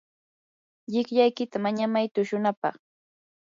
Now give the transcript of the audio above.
llikllaykita mañamay tushunapaq.